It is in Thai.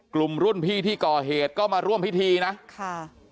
กลุ่มรุ่นพี่ที่ก่อเหตุก็มาร่วมพิธีนะค่ะ